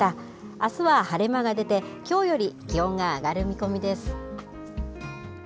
あすは晴れ間が出て、きょうより気温が上がる見込みです。